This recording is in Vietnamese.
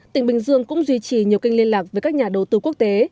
tỉnh bình dương cũng duy trì nhiều kênh liên lạc với các nhà đầu tư quốc tế